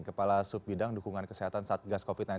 kepala subbidang dukungan kesehatan satgas covid sembilan belas